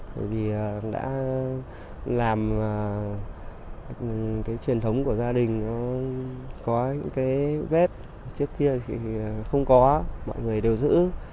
mình đã làm cái truyền thống của gia đình có những cái vết trước kia thì không có mọi người đều giữ